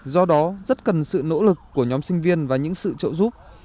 do đó rất cần sự nỗ lực của nhóm sinh viên và những sự trợ giúp